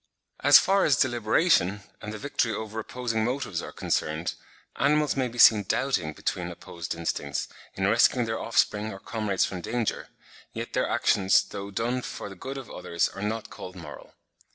As far as deliberation, and the victory over opposing motives are concerned, animals may be seen doubting between opposed instincts, in rescuing their offspring or comrades from danger; yet their actions, though done for the good of others, are not called moral.